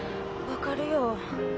分かるよ